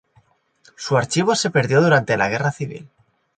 Su archivo se perdió durante la Guerra Civil.